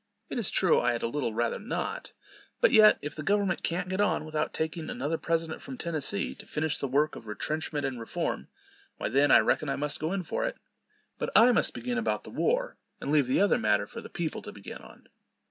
It is true, I had a little rather not; but yet, if the government can't get on without taking another president from Tennessee, to finish the work of "retrenchment and reform," why, then, I reckon I must go in for it. But I must begin about the war, and leave the other matter for the people to begin on.